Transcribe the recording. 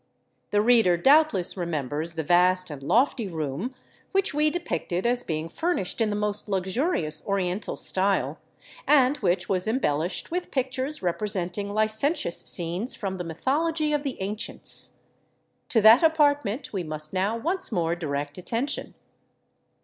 The reader doubtless remembers the vast and lofty room which we depicted as being furnished in the most luxurious oriental style, and which was embellished with pictures representing licentious scenes from the mythology of the ancients. To that apartment we must now once more direct attention.